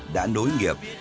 đã nối nghiệp